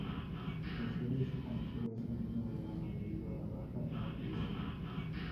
La serie se canceló ese mismo verano debido a la baja audiencia.